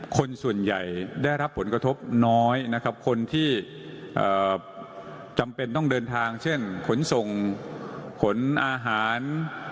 คนส่วนใหญ่ได้รับผลกระทบน้อยนะครับคนที่จำเป็นต้องเดินทางเช่นขนส่งขนอาหาร